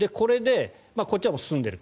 こっちはもう済んでると。